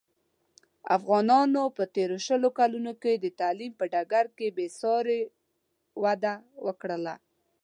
افغانانو په تېرو شلو کلونوکې د تعلیم په ډګر کې بې ساري وده وکړله.